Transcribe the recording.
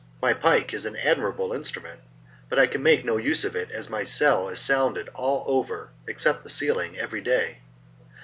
My pike is an admirable instrument, but I can make no use of it as my cell is sounded all over (except the ceiling) every day.